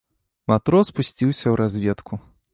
Матрос пусціўся ў разведку.